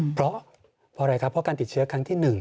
เพราะเพราะอะไรครับเพราะการติดเชื้อครั้งที่๑